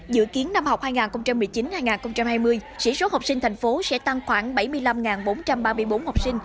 dự kiến năm học hai nghìn một mươi chín hai nghìn hai mươi sĩ số học sinh thành phố sẽ tăng khoảng bảy mươi năm bốn trăm ba mươi bốn học sinh